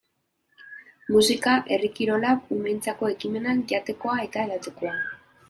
Musika, herri kirolak, umeentzako ekimenak, jatekoa eta edatekoa...